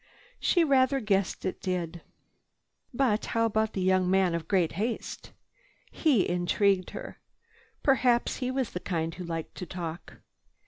She rather guessed it did. But how about the young man of great haste? He intrigued her. Perhaps he was the kind who liked to talk.